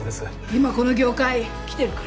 今この業界きてるから。